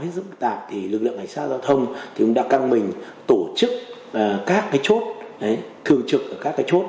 lực lượng cảnh sát giao thông cũng đã căng mình tổ chức các cái chốt thường trực các cái chốt